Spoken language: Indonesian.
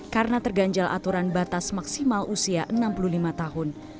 karena terganjal aturan batas maksimal usia enam puluh lima tahun